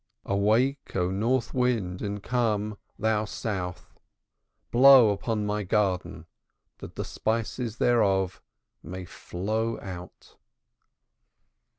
Awake, O north wind and come, thou south, blow upon my garden that the spices thereof may flow out."